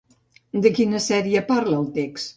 De quina sèrie parla el text?